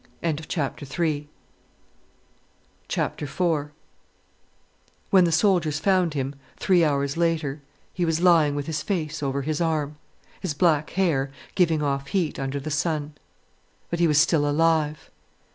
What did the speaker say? IV When the soldiers found him, three hours later, he was lying with his face over his arm, his black hair giving off heat under the sun. But he was still alive.